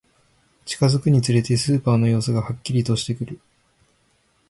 近づくにつれて、スーパーの様子がはっきりとしてくる